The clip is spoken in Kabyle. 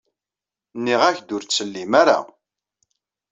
Nniɣ-ak-d ur ttsellim ara.